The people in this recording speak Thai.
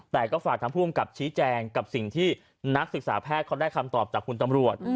แต่ก็ฝากทางผู้อำกับชี้แจงกับสิ่งที่นักศึกษาแพทย์เขาได้คำตอบจากคุณตำรวจ